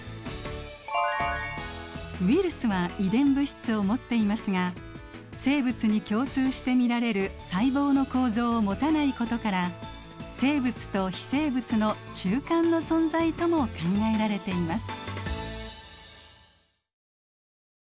ウイルスは遺伝物質を持っていますが生物に共通して見られる細胞の構造を持たないことから生物と非生物の中間の存在とも考えられています。